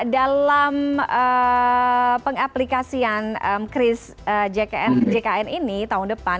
dalam pengaplikasian kris jkn ini tahun depan